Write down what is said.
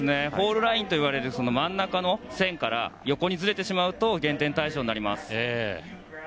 ポールラインと呼ばれる真ん中の線から横にずれてしまうと減点対象になります。